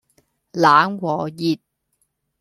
冷和熱